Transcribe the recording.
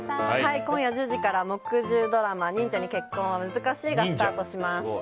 今夜１０時から木１０ドラマ「忍者に結婚は難しい」がスタートします。